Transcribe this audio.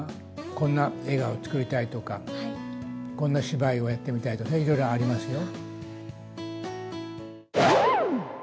こんな映画を作りたいとか、こんな芝居をやってみたいとか、いろいろありますよ。